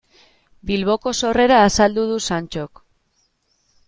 Bilboko sorrera azaldu du Santxok.